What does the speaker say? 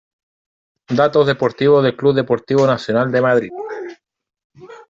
Datos deportivos del Club Deportivo Nacional de Madrid.